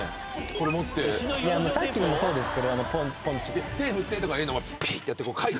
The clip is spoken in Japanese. いやさっきのもそうですけどあのポンチ。